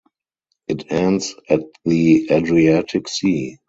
It ends at the Adriatic Sea.